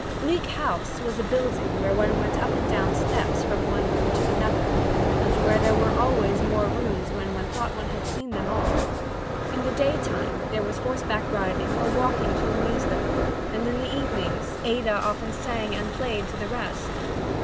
Bleak House was a building where one went up and down steps from one room to another, and where there were always more rooms when one thought he had seen them all. In the daytime there was horseback riding or walking to amuse them, and in the evenings Ada often sang and played to the rest.